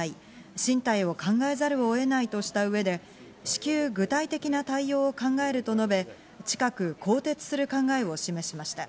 進退を考えざるを得ないとした上で至急、具体的な対応を考えると述べ、近く更迭する考えを示しました。